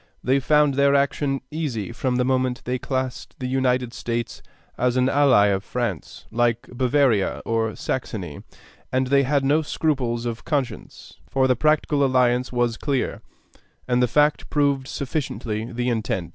They found their action easy from the moment they classed the United States as an ally of France, like Bavaria or Saxony; and they had no scruples of conscience, for the practical alliance was clear, and the fact proved sufficiently the intent....